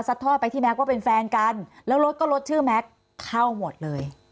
ทอดไปที่แก๊กว่าเป็นแฟนกันแล้วรถก็รถชื่อแม็กซ์เข้าหมดเลย